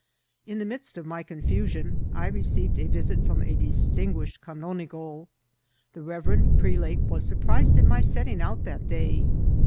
In the midst of my confusion I received a visit firom a distinguished canonigo. The reverend prelate was surprised at my setting out on that day.